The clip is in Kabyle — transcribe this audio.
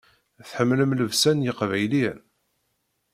Tḥemmlem llebsa n yeqbayliyen?